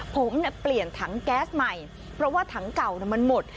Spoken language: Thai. ผมเนี่ยเปลี่ยนถังแก๊สใหม่เพราะว่าถังเก่ามันหมด